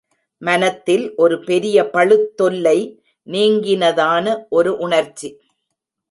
மனத்தில் ஒரு பெரிய பளுத்தொல்லை நீங்கினதான ஒரு உணர்ச்சி.